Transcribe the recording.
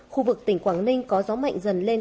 khu vực tỉnh quảng ninh có gió mạnh dần lên